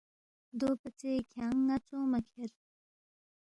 دوپژے کھیانگ ن٘ا ژونگما کھیر